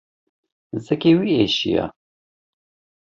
Zikê wî êşiya.